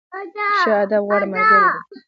ښه ادب، غوره ملګری دی.